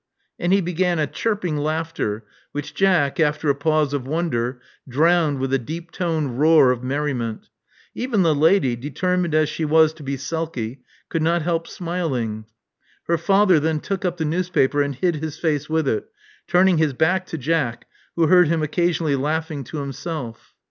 And he began a chirping laughter, which Jack, after a pause of wonder, drowned with a deeptoned roar of merri ment. Even the lady, determined as she was to be sulky, could not help smiling. Her father then took up the newspaper, and hid his face with it, turning his back to Jack, who heard him occasionally laughing to himself.